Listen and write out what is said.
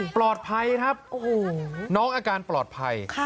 ปลอดภัยครับโอ้โหน้องอาการปลอดภัย